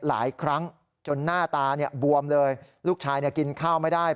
หลายครั้งจนหน้าตาเนี่ยบวมเลยลูกชายกินข้าวไม่ได้